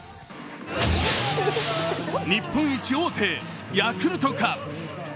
日本一王手へ、ヤクルトか？